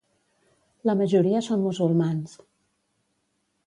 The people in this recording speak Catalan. La majoria són musulmans.